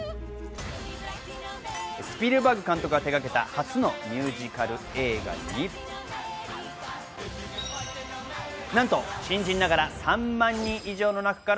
スピルバーグ監督が手がけた初のミュージカル映画になんと新人ながら３万人以上の中から